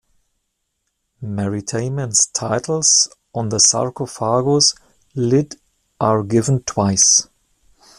Meritamen's titles on the sarcophagus lid are given twice.